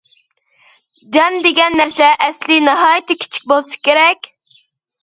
جان دېگەن نەرسە ئەسلى ناھايىتى كىچىك بولسا كېرەك.